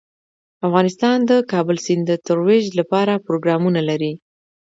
افغانستان د د کابل سیند د ترویج لپاره پروګرامونه لري.